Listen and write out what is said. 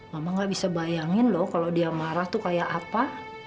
mama gak bisa bayangin loh kalau dia marah tuh kayak apa